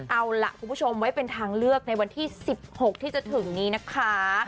เอาล่ะคุณผู้ชมไว้เป็นทางเลือกในวันที่๑๖ที่จะถึงนี้นะคะ